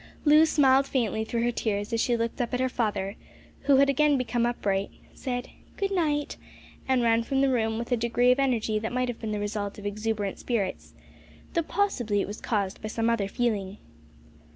Loo smiled faintly through her tears as she looked up at her father, who had again become upright, said "Good night," and ran from the room with a degree of energy that might have been the result of exuberant spirits, though possibly it was caused by some other feeling.